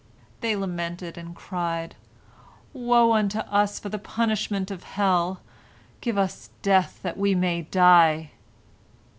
They lamented, and cried: "Woe unto us for the punishment of hell. Give us death, that we may die!"